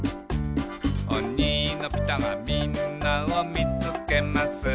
「おにのピタがみんなをみつけます」